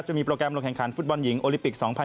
จะมีโปรแกรมลงแข่งขันฟุตบอลหญิงโอลิปิก๒๐๑๖